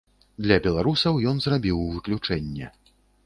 Для беларусаў ён зрабіў выключэнне.